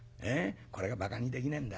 これがばかにできねえんだ。